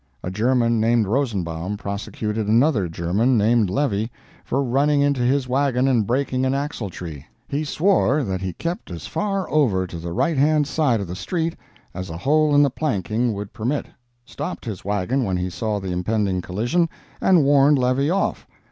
A German named Rosenbaum prosecuted another German named Levy, for running into his wagon and breaking an axletree. He swore that he kept as far over to the right hand side of the street as a hole in the planking would permit, stopped his wagon when he saw the impending collision, and warned Levy off.